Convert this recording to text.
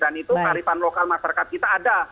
dan itu kearifan lokal masyarakat kita ada